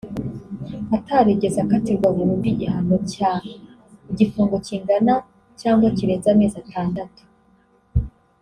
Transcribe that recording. atarigeze akatirwa burundu igihano cy’igifungo kingana cyangwa kirenze amezi atandatu (